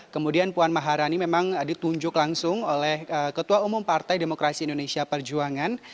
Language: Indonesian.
kemudian puan maharani memang ditunjuk langsung oleh ketua umum partai demokrasi indonesia perjuangan